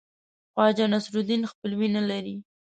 خواجه نصیرالدین خپلوي نه لري.